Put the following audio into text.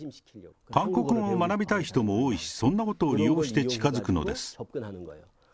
韓国語を学びたい人も多いし、そんなことを利用して近づくのです。